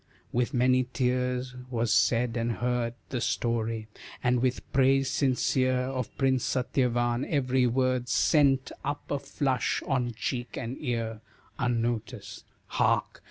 With many tears was said and heard The story, and with praise sincere Of Prince Satyavan; every word Sent up a flush on cheek and ear, Unnoticed. Hark!